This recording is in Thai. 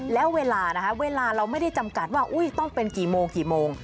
แล้วเวลานะคะเวลาเราไม่ได้จำกัดว่าต้องเป็นกี่โมงกี่โมง